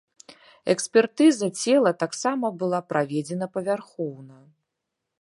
Экспертыза цела таксама была праведзена павярхоўна.